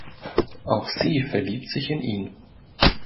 Auch sie verliebt sich in ihn.